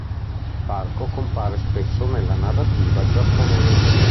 Il parco compare spesso nella narrativa giapponese.